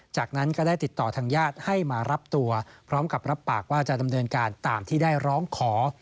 จากนั้นก็ได้ติดต่อทางญาติให้มารับตัวพร้อมกับรับปากว่าจะดำเนินการตามที่ได้ร้องขอ